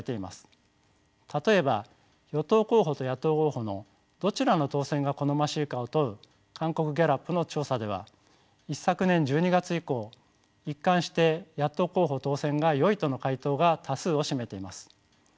例えば与党候補と野党候補のどちらの当選が好ましいかを問う韓国ギャラップの調査では一昨年１２月以降一貫して野党候補当選がよいとの回答が多数を占めています。